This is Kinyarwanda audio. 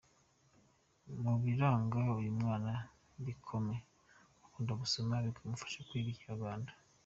Mu biranga uyu mwana bikome, akunda gusoma bikamufasha kwiga Ikinyarwanda.